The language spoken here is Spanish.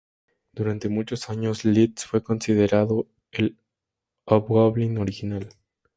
Durante muchos años Leeds fue considerado el Hobgoblin original.